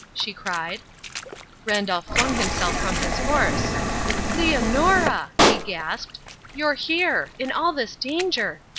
she cried. Randolph flung himself from his horse. "Leonora!" he gasped. "You here! In all this danger!